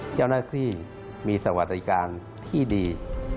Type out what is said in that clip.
เจ้าหน้าที่มีสวัสดิการที่ดี